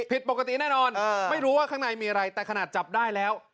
ผิดปกติแน่นอนไม่รู้ว่าข้างในมีอะไรแต่ขนาดจับได้แล้ว